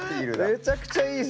めちゃくちゃいい！